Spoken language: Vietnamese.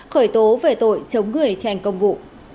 khởi tố về tội chống người thành công vụ